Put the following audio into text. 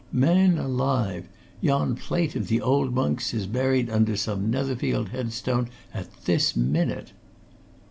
Man alive! yon plate of the old monks is buried under some Netherfield headstone at this minute!"